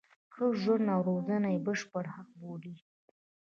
ښه ژوند او روزنه یې بشري حق وبولو.